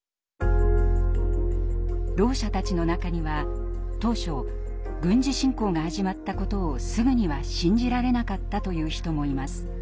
ろう者たちの中には当初軍事侵攻が始まったことをすぐには信じられなかったという人もいます。